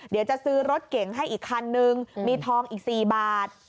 เดี๋ยวจะซื้อรถเก่งให้อีกคันนึงมีทองอีก๔บาท